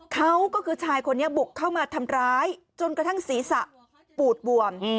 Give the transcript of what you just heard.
เขาก็คือชายคนนี้บุกเข้ามาทำร้ายจนกระทั่งศีรษะปูดบวม